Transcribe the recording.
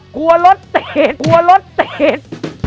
กลัวรถเตรียด